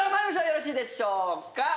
よろしいでしょうか